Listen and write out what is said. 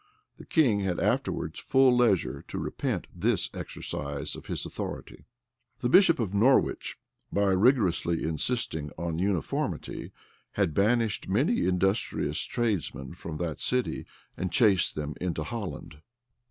The king had afterwards full leisure to repent this exercise of his authority. The bishop of Norwich, by rigorously insisting on uniformity, had banished many industrious tradesmen from that city, and chased them into Holland.